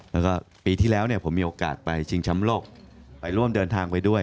แล้วก็ปีที่แล้วเนี่ยผมมีโอกาสไปชิงช้ำโลกไปร่วมเดินทางไปด้วย